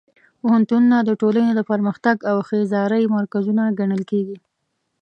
پوهنتونونه د ټولنې د پرمختګ او ښېرازۍ مرکزونه ګڼل کېږي.